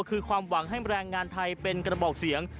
คือความหวังให้แรงงานไทยเป็นกระบอกเสียง